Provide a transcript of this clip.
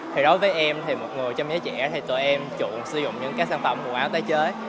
thì đối với em thì một người trong giới trẻ thì tụi em chọn sử dụng những cái sản phẩm quần áo tái chế